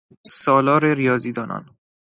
سالار ریاضیدانان